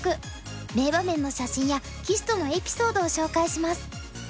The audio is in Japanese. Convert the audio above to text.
名場面の写真や棋士とのエピソードを紹介します。